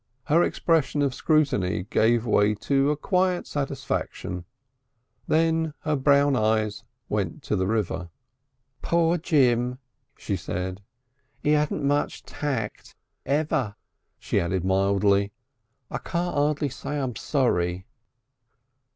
Her expression of scrutiny gave way to a quiet satisfaction. Then her brown eyes went to the river. "Poor Jim," she said. "'E 'adn't much Tact ever." She added mildly: "I can't 'ardly say I'm sorry."